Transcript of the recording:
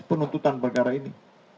penuntutan perkara ini